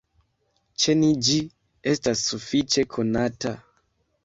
Ĉe ni ĝi estas sufiĉe konata.